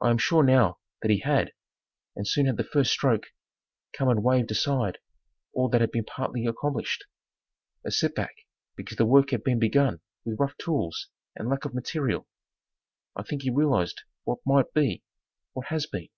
I am sure now that he had, and soon had the first stroke come and waived aside all that had been partly accomplished. A set back because the work had been begun with rough tools and lack of material. I think he realized what might be what has been.